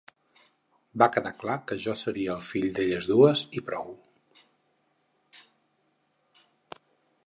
Va quedar clar que jo seria el fill d'elles dues i prou.